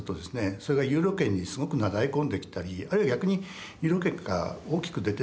それがユーロ圏にすごくなだれ込んできたりあるいは逆にユーロ圏から大きく出てったりと。